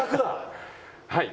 はい。